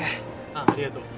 あっありがとう。